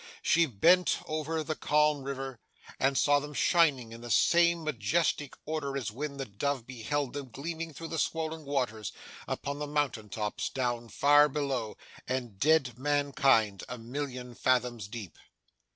She bent over the calm river, and saw them shining in the same majestic order as when the dove beheld them gleaming through the swollen waters, upon the mountain tops down far below, and dead mankind, a million fathoms deep.